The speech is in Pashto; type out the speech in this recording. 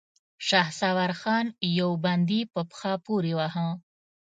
شهسوار خان يو بندي په پښه پورې واهه.